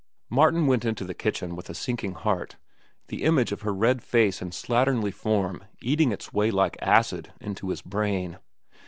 Martin went into the kitchen with a sinking heart, the image of her red face and slatternly form eating its way like acid into his brain.